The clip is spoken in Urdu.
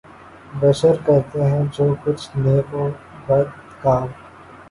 بشر کرتے ہیں جو کچھ نیک و بد کام